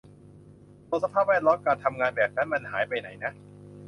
ตัวสภาพแวดล้อมการทำงานแบบนั้นมันหายไปไหนนะ